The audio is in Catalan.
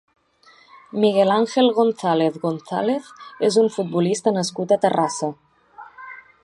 Miguel Ángel González González és un futbolista nascut a Terrassa.